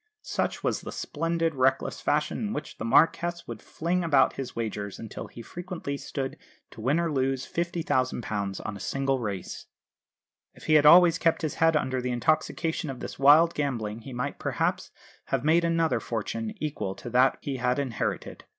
Such was the splendid, reckless fashion in which the Marquess would fling about his wagers until he frequently stood to win or lose £50,000 on a single race. If he had always kept his head under the intoxication of this wild gambling he might perhaps have made another fortune equal to that he had inherited.